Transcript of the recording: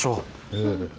ええ。